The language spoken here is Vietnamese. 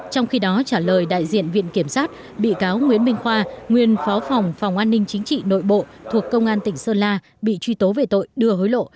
trong khi đó trả lời đại diện viện kiểm sát bị cáo nguyễn minh khoa nguyên phó phòng phòng an ninh chính trị nội bộ thuộc công an tỉnh sơn la bị truy tố về tội đưa hối lộ